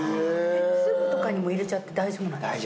スープとかにも入れちゃって大丈夫なんですか？